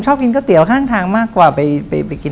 เรียกผมเป็นคนนามดาดีกว่าครับ